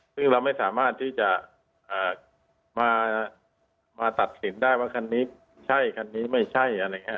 ซึ่งเราไม่สามารถที่จะมาตัดสินได้ว่าคันนี้ใช่คันนี้ไม่ใช่อะไรอย่างนี้